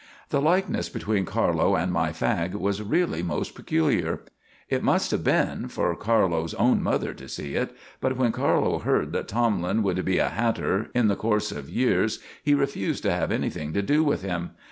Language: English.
The likeness between Carlo and my fag was really most peculiar. It must have been for Carlo's own mother to see it; but when Carlo heard that Tomlin would be a hatter in the course of years he refused to have anything to do with him.